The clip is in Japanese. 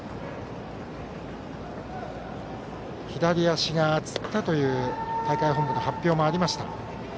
左足がつったという大会本部の発表もありました。